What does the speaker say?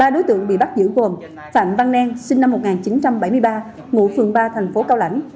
ba đối tượng bị bắt giữ gồm phạm văn nen sinh năm một nghìn chín trăm bảy mươi ba ngụ phường ba thành phố cao lãnh